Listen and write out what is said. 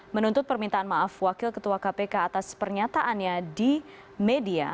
menuntut permintaan maaf wakil ketua kpk atas pernyataannya di media